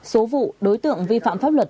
số vụ đối tượng vi phạm pháp luật